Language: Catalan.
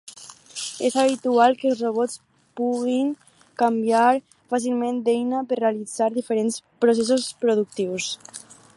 És habitual que els robots puguin canviar fàcilment d'eina per realitzar diferents processos productius.